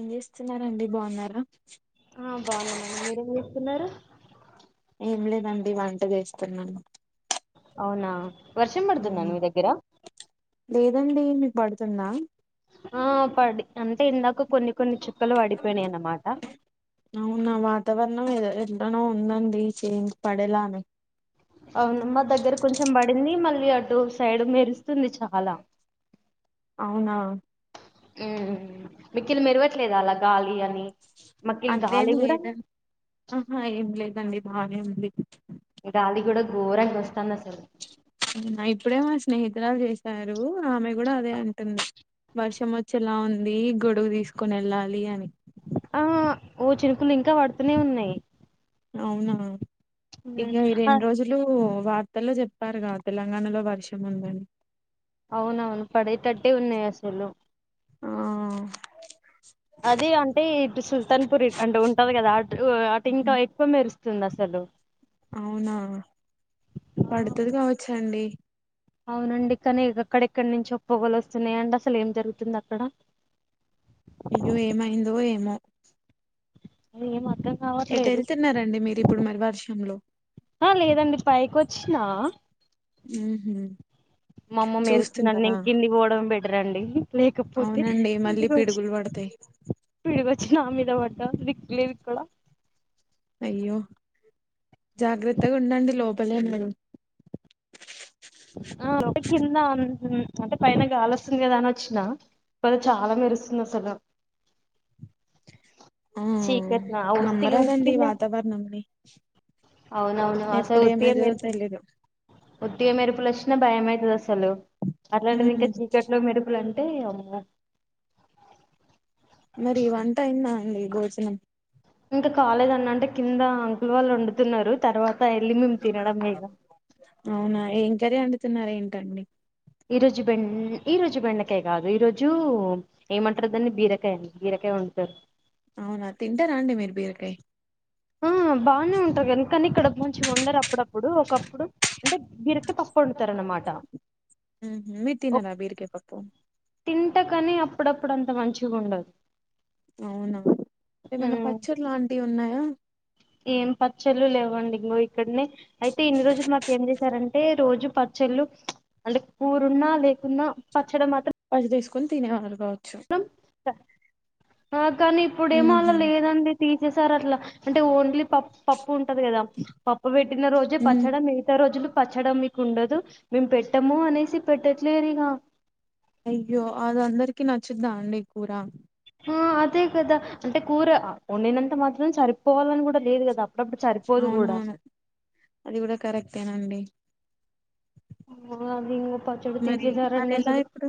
ఏం చేస్తున్నారండి బాగున్నారా ఆ బాగున్నామండి మీరేం చేస్ స్తున్నారు ఏం లేదండి వంట చేస్తున్నాను అవునా వర్షం పడుతుందా అండి మీ దెగ్గర లేదండి మీకు పడుతుంద ఆ పడి అంటే ఇందాక కొన్ని కొన్ని చుక్కలు పడిపోయినాయి అన్నమాట అవునా వాతావరణం ఎలానో ఉందండి చే పడేలామె అవును మా దగ్గర కొంచెం పడింది మళ్ళీ అటు సైడ్ మెరుస్తుంది చాలా అవునా మ్మ్ మికిల మెరవట్లేద అలా గాలి అని మాకి అట్లేమ్ గాలి కూడా లేదు ఉహు ఎం లేదండి బానే ఉంది ఇడ గాలి గూడా గరంగా వస్తాందసలు ఇప్పుడే మా స్నేహితురాలు చేశారు ఆమె కూడా అదే అంటుంది వర్షం వచ్చేలా ఉంది గొడుగు తీసుకుని వెళ్ళాలి అని ఆ ఓ చినుకులు ఇంకా పడుతూనే ఉన్నాయి అవునా ఇక ఉమ్, ఈ ఆ, రెండు రోజులు వార్తల్లో చెప్పారుగా తెలంగాణలో వర్షం ఉందని అవునా పడేటట్టే ఉన్నాయి అసలు ఆ అది అంటే ఇటు సుల్తాన్ పూర్ అంటే ఉంటది కదా అటు అటు ఇంకా ఎక్కువ మెరుస్తుం స్తుంది అసలు అవునా పడుతది ఆ కావోచ్చా అండి అవునండి కానీ అక్కడెక్కడి నుంచి పొగలు వస్తున్నాయంండి అసలు ఏం జరుగుతుంది అక్కడ అయ్యో ఏమైందో ఏమో ఎం అర్ధం ఎటు రావట్లేదు వెళ్తున్నారండి మీరు ఇప్పుడు మరి వర్షంలో ఆ లేదండి పైకోచ్చినా ఉ హు మా అమ్మ మెరుస్తుదండి ఇకిందికీ పోవడం లేకపోతే వొచ్చి పడతయ్ పిడుగోచ్చి నామీద పడ్డ దిక్కు లేదు ఇక్కడ అయ్యో జాగ్రత్తగా ఉండడి లో లే ఉన్నరు కిందా మ్ అంటే పైన గాలోస్తుంది కదా అని అ చ్చినా కద చాలా మెరుస్తుంది అసలు ఆ చీకట్న ఉత్తిగా నమ్మరాదండి ఈ ఉత్తినే వాతావరణంని అవునవును అసలు ఎప్పుడు ఉత్తిగా ఏమైతదో తెలీదు మెరుపులు మెరుపులోచ్చినం భయమవుతది అసలు అట్లాంటిది ఉమ్ ఇంకా చీకట్లో మెరుపుల అంటే నీయమ్మ మరి వంట అయిందా అండి భోజనం ఇంకా కాలేదు అన్న అంటే కింద అంకుల్ వాళ్ళు వండుతున్నారు తర్వాత ఎళ్లి మేమ్ తినడమేగా కరి అండుతున్నారెంటండి ఈ రోజు బెన్ ఈ రోజు బెండకాయ కాదు ఈ రోజు ఏమంటారుదన్నీ బీరకాయ అని బీర కే ఉంటరు అవునా తింటరా అండి మీరు బీరకాయ ఆ బానే ఉంటరు గని కని ఇక్కడ మంచిగ వండరు అప్పుడప్పుడు ఒకప్పుడు అంటే బిరకే పప్పు వండుతర అన్నమాట ఉ హు మీరు తినరా బీరకాయ పప్పు అంట కాని అప్పుడప్పుడు అంత మంచిగా ఉండదు అవునా ఏమన్నా ఉమ్ పచ్చర్ లాంటివి ఉన్నాయా ఏం పచ్చళ్ళు లేవండి ఇంకో ఇక్కడనే అయితే ఇన్ని రోజులు మాకు ఏం జేసారంటే రోజు పచ్చళ్ళు అంటే కూరున్నా లేకున్నా పచ్చడ మత్ జేసుకొని తినేవారు కావచ్చు అ కానీ ఇప్పుడేమో అలా ఉహు లేదండి తీసేసారు అట్లా అంటే ఓన్లీ పప్ పప్ పప్పు ఉంటది గదా పప్పు పెట్టిన రోజే ఉమ్ పచ్చడ మిగతా రోజులు పచ్చడం మీకు ఉండదు మేము పెట్టము అనేసి పెట్టట్లేరి గా అయ్యో అద అందరికి నచ్చుద్దా అండి కూర ఆ అదే కదా అంటే కూర వండినంత మాత్రం సరిపోవాలని కూడా లేదు గదా అవునవును అది గూడ కరెక్టేనండి అది ఇంక పచ్చడి మరి మరి తీసేసారండి ఎలా అసలు ఇప్పుడు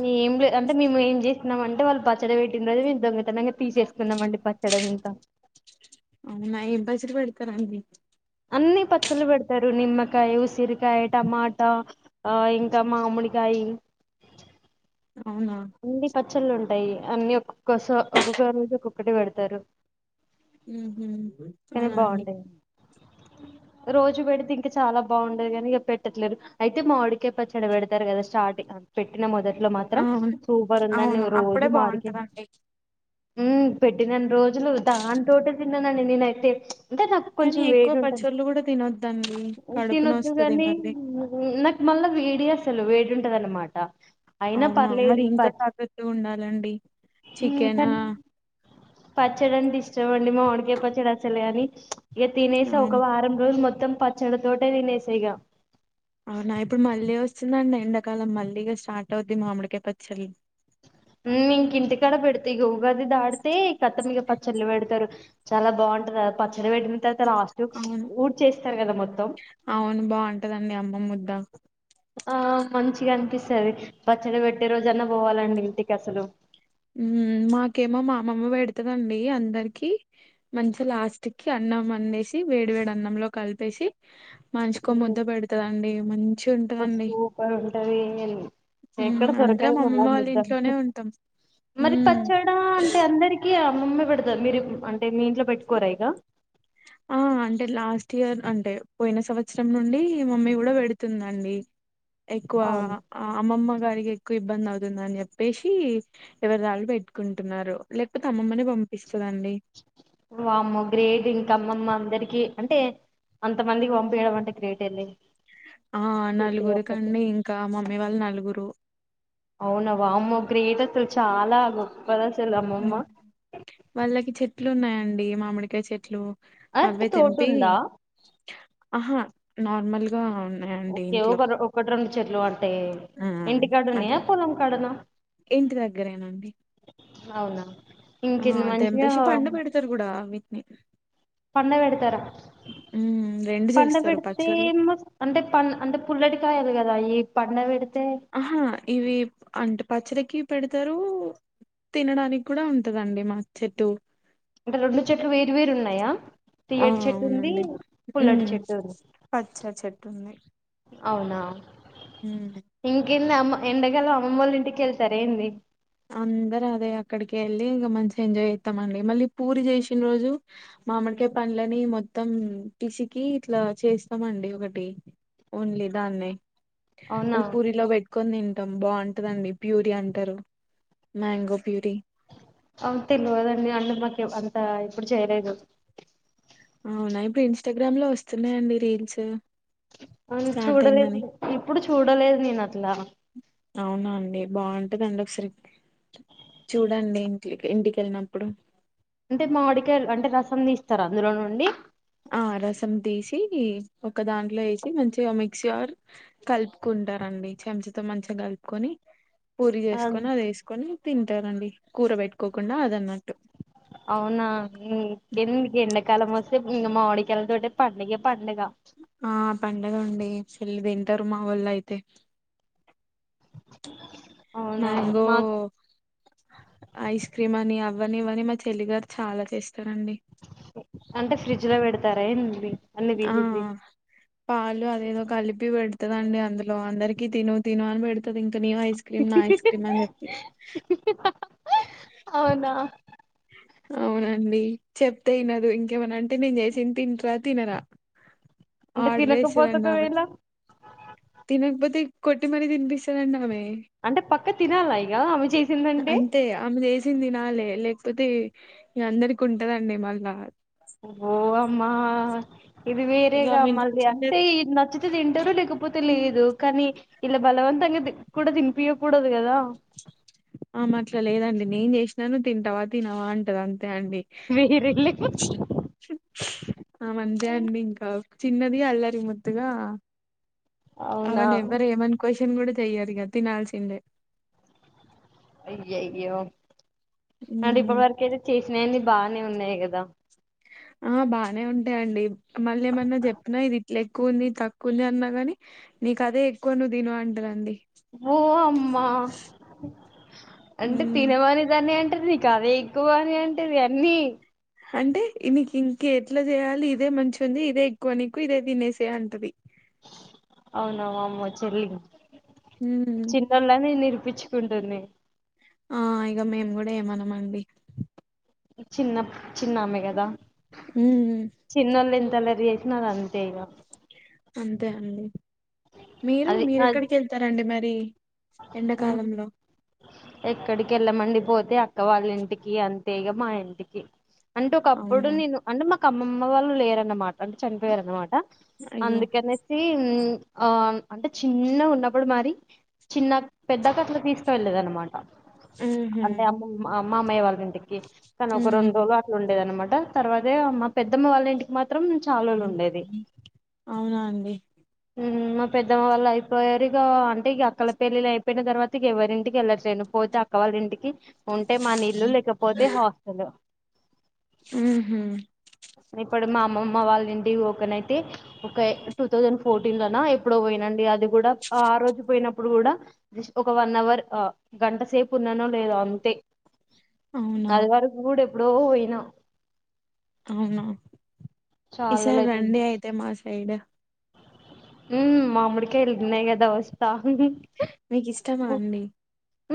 మీ ఏం లే అంటే మేము ఏం జే మ అంటే వాళ్ళు పచ్చడి పెట్టిన రోజు మేము దొంగతనంగా తీసేసుకున్నాంమండి పచ్చడి వింత అవునా ఏం పచ్చడి పెడతారండి అన్నీ పచ్చలు పెడతారు. నిమ్మకాయ, ఉసిరికాయ, టమాటా. ఆ ఇంకా మా అవునా పచ్చలు ఉంటాయి. అన్ని ఒక్కొక్కస ఒక్కొక్క రోజు ఒక్కొక్కటి పెడతారు. ఉహుం కానీ అవునా అండి. బాగుంటాయి రోజు పెడితే ఇంకా చాలా బాగుండది. కాని ఇక పెట్టట్లేదు అయితే మామిడికే పచ్చడి పెడతారు కదా. ష స్టార్టింగ్ పెట్టిన మొదట్లో మాత్రం అవును సూపర్ ఉందండి అవును అప్పుడే రోజు మాడికాయ్ బాగుంటదండి ఉమ్ పెట్టినన్ని రోజులు దానితోటే తిన్నానండి నేనైతే అంటే నాకు కానీ కొంచెం ఎక్కువ వేడి ఉంటది. పచ్చళ్ళు కూడా తినొద్దండి కడుపు తినొద్దు నొస్తది కానీ మళ్ళీ నాకు మా మళ్ళా వేడి అసలు వేడి ఉంటది అన్నమాట అవునా మరి ఇంకా జాగ్రత్త ఉండాలండి. చికెన్ పచ్చడంటే ఇష్టంమండి మావిడికాయ పచ్చడ అసల్ గని ఇగ తినేసి ఒక అవును వారం రోజు మొత్తం పచ్చడి తోటే తినేసా ఇగ అవునా ఇప్పుడు మళ్ళీ వస్తుందండి ఎండాకాలం మళ్ళీగా స్టార్ట్ అవుద్ది మామిడికాయ పచ్చళ్ళు ఉమ్ ఇంకా ఇంటికాడ పెడుతే ఇగా ఉగాది దాడితే కత్తమిగ పచ్చళ్ళు పెడతారు చాలా బాగుంటంది ఆ పచ్చ నిర పెట్టిన తర్వాత లాస్ట్ అవును ఊడ్ చేస్తారు. కదా మొత్తం అవును బాగుంటదండి అమ్మమ్మ ముద్ద ఆ మంచిగా అనిపిస్తది పచ్చడి పెట్టే రోజన్న పోవాలండి ఇంటికి అసలు మాకేమో మా అమమ్మ పెడతదండి అందరికి మంచి లాస్ట్ కి అ అన్నం అండేసి వేడి వేడి అన్నంలో కలిపేసి మనిషికో ఉమ్, ముద్ద పెడుతదండి మంచిగా ఉంటదండి. సూపర్ ఉంటది ఉమ్ ఎక్కడ దొరకదు అందరం మళ్ళా అమ్మమ్మ వాళ్ళ ముద్ద ఇంట్లోనే ఉంటాం. మరి మ్మ్ పచ్చడా అంటే అందరికీ అమ్మమే పేడతది మీరు ఇప్పుడు అంటే మీ ఇంట్లో పెట్టుకోరా ఇగ ఆ అంటే లాస్ట్ ఇయర్ అంటే పోయిన సంవత్సరం నుండి మమ్మీ కూడా పెడుతుందండి. ఎక్కువ అవును అమ్మమ్మ గారికి ఎక్ ఎక్కువ ఇబ్బంది అవుతుందని చెప్పేసి ఎవరి రాళ్ళు పెట్టుకుంటున్నారు. లేకపోతే అమ్మమ్మని పంపిస్తద అండి వామ్మో గ్రేట్ ఇంకా అమ్మమ్మ అందరికి అంటే అంత మంది కి పంపియడం అంటే గ్రేట్ లే ఆ పెట్టి నలుగురి ఒక్కతే కండి. ఇంకా మమ్మీ వాళ్ళు నలుగురు. అవునా వామ్మో గ్రేట్ అసలు చాలా గొప్పది అసలు అమ్మమ్మ మ్ వాళ్ళకి చెట్లు ఉన్నాయండి. మామిడికాయ చెట్లు అంటే అవే తోట తెంపి ఉందా ఆహా నార్మల్ గా ఉన్నాయండి ఒకే ఇంట్లో ఒక ఒకట్ రెండు చెట్లు అంటే ఆ ఇంటికాడన్నుయా అట్లా పొలం కాడనా ఇంటి దగ్గరేనాండి. అవునా ఆ ఇంకేంది మంచిగా తెంపేషి పండు పెడతారు కూడా అవిటిని పండవెడ్తారా? ఉమ్ రెండు పండ చేస్తారు పెడితే పచ్చళ్ళు ఏమ్ స్ అంటే పం అంటే పుల్లడికాయలు కదా అ పండ పెడిత ఆహా ఇవి అంట్ పచ్చడికి పెడతారు తినడానికి కూడా ఉంటదండి మా చెట్టు అంటే రెండు చెట్లు వేరు వేరు ఉన్నాయా? ఆ తీయటి చెట్టు ఉంది. అవునండి పుల్లటి ఉమ్ చెట్టు ఉంది. పచ్చ చెట్టు ఉంది అవునా ఉమ్ ఎన్ అమ్మ ఎండకాలం అమ్మమోల్ల ఇంటికి వెళ్తారా ఏంది? అందరు అదే అక్కడికి వెళ్ళి ఇగ మంచిగా ఎంజాయ్ ఎత్తం అండి మళ్ళీ పూరి చేసిన రోజు మామడికాయ పండ్లని మొత్తం పిసికి ఇట్లా చేస్తామండి ఒకటి ఓన్లీ దాన్నే అవునా అది పూరిలో పెట్టుకొని తింటాం బాగుంటదండి ప్యూరి అంటారు. మ్యాంగో ప్యూరీ అవును తెలువదండి అంత మాక్ ఏవ్వ అంత ఎప్పుడు చేయలేదు. అవునా! ఇప్పుడు ఇన్స్టాగ్రామ్ లో వస్తున్నాయియండి రీల్స్ అవును స్టార్ట్ చూడలేదు. అయిందని ఇప్పుడు చూడలేదు నేను అట్లా అవునా అండి బాగుంటదండి ఒకసారి చూడండి ఇంటికి ఇంటికేళ్ళినప్పుడు అంటే మామిడికాయలు అంటే రసం తీస్తారా అందులో నుండి ఆ రసం తీసి ఒక దాంట్లో వేసి మంచిగా మిక్సి ఆర్ కలుపుకున్ ఉంటారండి చెంచతో మంచిగా కలుపుకొని పూరి ఆ, చేసుకొని అది వేసుకొని తింటారండి కూర పెట్టుకోకుండా అదన్న అవునా ఇంకెది ఎండాకాలం వస్తే ఇంగా మామిడికాలతోటి పండుగే పండుగ ఆ పండగ అండి ఫుల్ తింటారు మా వొళ్ళు అయితే అవునా మ్యాంగో మా ఐస్ క్రీమ్ అని అవ్వని ఇవ్వని మా చెల్లిగారు చాలా చేస్తారండి. అంటే ఫ్రిడ్జ్ లో వేడతారా ఏంది? అన్ని ఆ తీసేసి పాలు అదేదో కలిపి పెడ్ పెడతదండి అందులో అందరికిీ తిను తి ను అని పెడుతది ఇం ఇంక నీ ఐస్ క్రీమ్ నా ఐస్ క్రీమ్ అని చెప్పి అవునా అవునండి చెప్తే ఇనదు ఇంకేమన్నా అంటే నేను చేసినది తింటార తినరా అంటే ఆడ్రేస్ తినకపోతే దండి ఆమే ఒకవేళ తినకపోతే కొట్టిమరీ తినిపిస్తాదండి ఆమె అంటే పక్క తినాలా ఇగ ఆమె చేసిందంటే అంతే ఆమె జెసింది తినాలే లేక్ కాకపోతే అందరికి ఉంటదండి మళ్ళా ఓహో అమ్మా ఇది ఇగ వేరేగా ఆమె ఇంట్లో మళ్ళీ అంటే చిన్నది ఇది నచ్చితే తింటారు లేకపో లేకపోతే లేదు కానీ ఇలా బలవంతగా ది కూడా తినిపియ కూడదు కదా ఆమె అట్లా లేదండి నేను చేసినాను తింటావా తినవా అంటది అం అంతే అండి వేరేలే ఆమంతే అండి ఇంకా చిన్నది అల్లరి ముద్దుగా అవునా అవను ఎవ్వరు ఏమని కోషన్ కూడా చెయ్యిరు ఇగ తినాల్సిందే అయ్యయ్యో అంటే ఇప్పుడి ఉమ్ వరకు అయితే చేసినా బానే ఉన్నాయి కదా ఆ బానే ఉంటాయండి. మళ్ళ ఏమన్నా చెప్పిన ఇది ఇట్లా ఎక్కువ ఉంది తక్కువ ఉంది అన్నా గాని నీకు అదే ఎక్కువ నువ్వు తిను అంటాదండి. ఊ అమ్మా అంటే ఉమ్ తినమనితనేఅన్ అంట నీ కదే ఎక్కువ అని అంటది అన్ని అంటే నీకు ఇంక ఎట్లా చేయాలి. ఇదే మంచిగా ఉంది ఇదే ఎక్కువ నీకు ఇదే తినేసే అంటది. అవునా వామ్మో చెల్లి ఉమ్ చిన్నోళ్ళనే నీర్ ప్పించుకుంటుంది. ఆ ఇగ మేము కూడా ఏమనమండి చిన్న చిన్నామే గదా ఉమ్ ఉ ఎంత అల్లరి చేసిన అంతే ఇగ అంతే అండి మీరు అది అది మీరెక్కడికి వెళ్తారండి మరి ఉమ్, ఎండాకాలంలో ఎక్కడికి వెళ్ళమండి పోతే అక్క వాళ్ళింటికి అంతే ఇగ మా ఇంటికి అంటే ఒకప్పుడు అవునా నేను అంటే మాకు అమ్మమ్మ వాళ్ళు లేరన్నమాట అంటే చనిపోయారున్నమాట అయ్యో అందుకనేసి ఉమ్ ఆ అంటే చిన్నగా ఉన్నప్పుడు మరి చిన్న అక పెద్ద అక్క అట్లా తీసుకు వెళ్ళది అనమాట ఉమ్ అంటే అమ్ము మా మామయ్య వాళ్ళ ఇంటికి తను ఒక రెండు రోజులు అట్లా ఉండేది అనమాట తర్వాతే అమ్మ పెద్దమ్మ వాళ్ళ ఇంటికి మాత్ త్రం చాల్ రోలు ఉండేది. అవునా అండి ఉమ్ మా పెద్దమ్మ వాళ్ళు అయిపోయారు ఇగ అంటే ఇగ అక్కల పెళ్లిళ్లు అయిపోయిన తర్వాత ఎవరింటికి వెళ్ళట్లేను పోతే అక్క వాళ్ళ ఇంటికి ఉంటే మన ఇల్లు లేకపోతే హాస్టలు ఉహుం ఇప్పుడు మా అమ్మమ్మ వాళ్ళ ఇంటికి పోకనైతే ఒక టూ థౌసండ్ ఫోర్టీన్ లా నా ఎప్పుడో పోయినండి అది కూడా ఆ రోజు పోయినప్పుడు కూడా జస్ట్ ఒక వన్ అవర్ గంటసేపు ఉన్నానో లేదొ అంతే అవునా అది వరకూడ ఎప్పుడో పోయినా అవునా చాలా రోజులు ఈసారి అయితుంది రండి అయితే మా సైడ్ ఉమ్ మామిడికాయలున్నాయి గదా వస్తా మీకు ఇష్టమా అండి.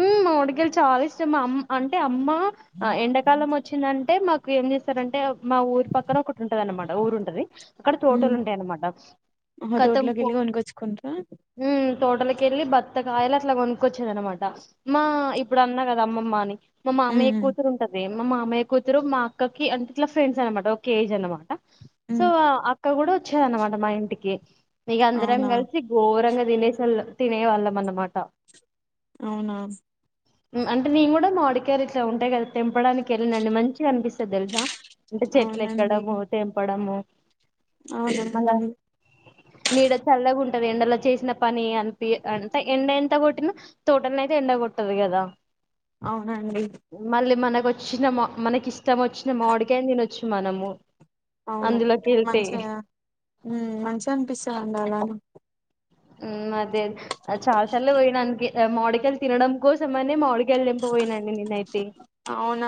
ఉమ్ మామిడికాయలు చాలా ఇష్టం మా అమ్ అంటే అమ్మ ఎండాకాలం వచ్చిందంట్ అంటే మాకు ఏం చేస్తారంటే మా ఊరు పక్కన ఒకటి ఉంటది అన్నమాట ఊరుంటది అక్కడ తోటలు ఉంటాయ అన్నమాట. ఆ తోడ్లోకి ఎల్లి కొనకోచ్చుకుంటా తోటలకు ఏళ్ళి బత్తకాయలు అట్లా కొనుక్కొచ్చేద అనమాట మా ఇప్పుడు అన్నా కదా అమ్మమ్మ అని మామాయ్య ఉమ్ కూతురు ఉంటది మా మామయ్య కూతురు మా అక్కకి అంటే ఇట్లా ఫ్రెండ్స్ అనమాట ఒక ఏజ్ అనమాట సో ఉమ్ అక్క కూడా వచ్చేదేనమాట మా ఇంటికి ఇగ అందరం అవునా కలిసి ఘోరంగా తినేసేల్ తినే వాళ్ళం అన్నమాట అవునా అంటే నేను కూడా మాడికాయలు ఇట్లా ఉంటాయి కదా తెంపడానికి వెళ్ళినండి మంచిగా అనిపిస్తది తెలుసా! అంటే చెట్లు ఎక్కడము తేంపడము అవునా ఆ నీడ చల్లగా ఉంటది ఎండలో చేసిన పని అంత అంత ఎండ ఎంత కొట్టిన తోటల్ అయితే ఎండ కొట్టది గదా. అవునండి వచ్చిన మా మనకి ఇష్టం వచ్చిన మాడికాయని తినొచ్చు మనము అవును అందులోకి వెళ్తే మంచిగా మ్ మంచిగా అనిపిస్తుందండి అలానే ఉమ్ అదే అ చాలా చార్లు పోయినానికి మావిడికాయలు తినడం కోసం అనే మావిడ్ కయలు తెంపపోయినండి నేనైతే అవునా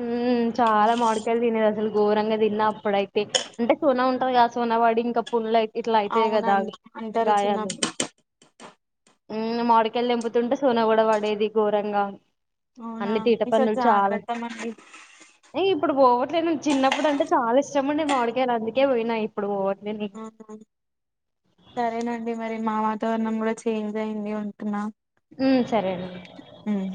ఉమ్ చాలా మాడికాయలు తినేది అసలు ఘోరంగా తిన్న అప్పుడయితే అంటే సోనా ఉంటది కద సోనవాడి ఇంకా పుండ్లు అయి ఇట్లా అయితయి గదా అవునండి అంటారు గాయాలు చిన్నప్పుడు మ్ మాడికయలు తెంపుతుంటే పుతుంటే సోన కూడా పడేది ఘోరంగా అవునా అన్ని తీట ఈసారి పనులు చాలా జాగ్రత్తమండి. అట్లే నేన్ చిన్నప్పుడుంటే చాలా ఇష్టం అండి మాడికయలు అందుకే పోయినా ఇప్పుడు ఇగ ఆహా సరేనండి మరి మా మా వాతవరణం కూడా చేంజ్ అయింది ఉంటున్నా ఉమ్ సరే అండి ఉమ్